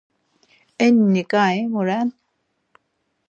Enni ǩai mu ren?